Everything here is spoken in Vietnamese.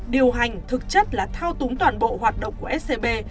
điều hành thực chất là thao túng toàn bộ hoạt động của scb